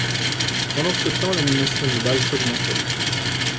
Pendant ce temps, l’animation du bal s’augmentait.